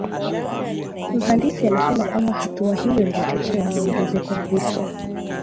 Mhandisi amesema kwamba hatua hiyo imechochewa na ongezeko la vifo